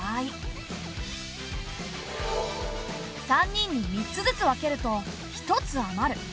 ３人に３つずつ分けると１つ余る。